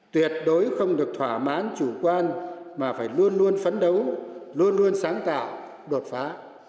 tuyệt đối không được thỏa mãn chủ quan mà phải luôn luôn phấn đấu luôn luôn sáng tạo đột phá